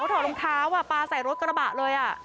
ถอดรองเท้าปลาใส่รถกระบะเลย